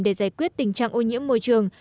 để giải quyết tình trạng ô nhiễm môi trường